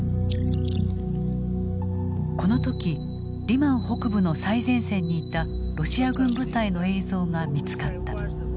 この時リマン北部の最前線にいたロシア軍部隊の映像が見つかった。